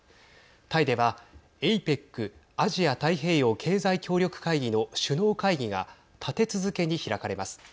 タイではＡＰＥＣ＝アジア太平洋経済協力会議の首脳会議が立て続けに開かれます。